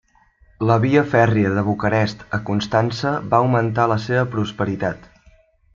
La via fèrria de Bucarest a Constanţa va augmentar la seva prosperitat.